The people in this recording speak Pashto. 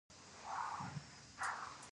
سیلانی ځایونه د افغانانو د ګټورتیا برخه ده.